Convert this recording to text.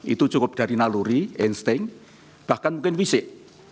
itu cukup dari naluri insting bahkan mungkin fisik